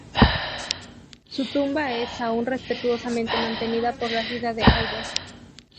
Su tumba es aún respetuosamente mantenida por la ciudad de Aalborg.